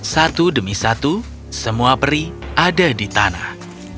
satu demi satu semua peri ada di tanah